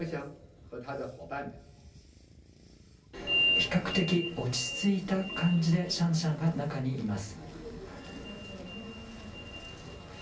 比較的落ち着いた感じでシャンシャンが中にいます。